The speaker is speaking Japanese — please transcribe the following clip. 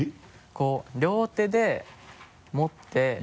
こう両手で持って。